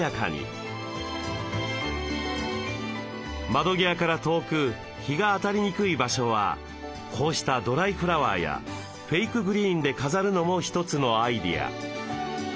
窓際から遠く日が当たりにくい場所はこうしたドライフラワーやフェイクグリーンで飾るのも一つのアイデア。